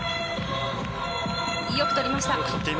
よく取りました。